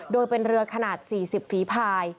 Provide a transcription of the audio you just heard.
โดยเป็นเรือขนาด๔๐ฝีภาย